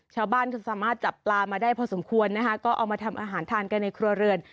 ชาวบ้านก็สามารถจับปลามาได้พอสมควรนะคะก็เอามาทำอาหารทานกันในครัวเรือน